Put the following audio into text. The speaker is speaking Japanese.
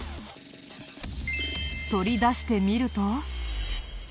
取り出してみると。